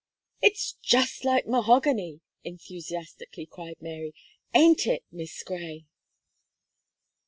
"It's just like mahogany!" enthusiastically cried Mary, "ain't it. Miss Gray?"